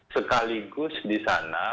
sekaligus di sana